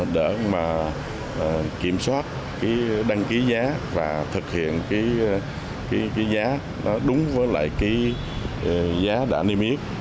để kiểm soát đăng ký giá và thực hiện giá đúng với giá đã niêm yết